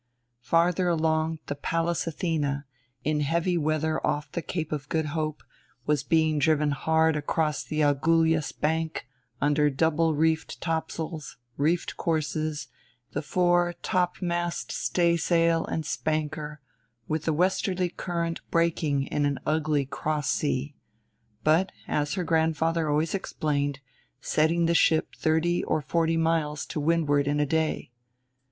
Farther along the Pallas Athena, in heavy weather off the Cape of Good Hope, was being driven hard across the Agulhas Bank under double reefed topsails, reefed courses, the fore topmast staysail and spanker, with the westerly current breaking in an ugly cross sea, but, as her grandfather always explained, setting the ship thirty or forty miles to windward in a day.